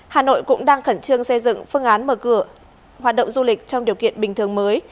hà nội cũng đang khẩn trương xây dựng phương án mở cửa hoạt động du lịch trong điều kiện bình thường mới